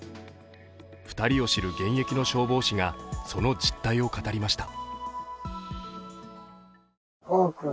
２人を知る現役の消防士がその実態を語りました。